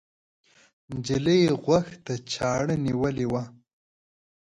نجلۍ غوږ ته چاړه نیولې وه.